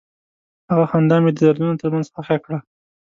هغه خندا مې د دردونو تر منځ ښخ کړه.